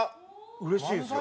うれしいっすよ。